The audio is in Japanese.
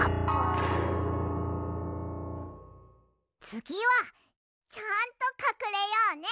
つぎはちゃんとかくれようね。